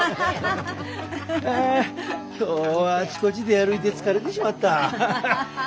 あ今日はあちこち出歩いて疲れてしまった。